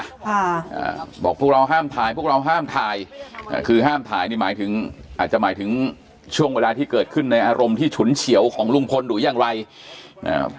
อ่าบอกพวกเราห้ามถ่ายพวกเราห้ามถ่ายอ่าคือห้ามถ่ายนี่หมายถึงอาจจะหมายถึงช่วงเวลาที่เกิดขึ้นในอารมณ์ที่ฉุนเฉียวของลุงพลหรือยังไรอ่า